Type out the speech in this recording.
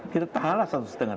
kita tahanlah satu lima tahun